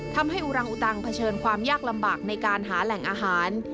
อุรังอุตังเผชิญความยากลำบากในการหาแหล่งอาหาร